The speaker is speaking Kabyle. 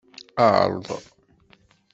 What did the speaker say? Erḍ.